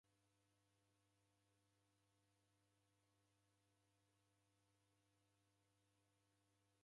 Uja mdaw'ana wafwano ela ni kidoi sa ndee.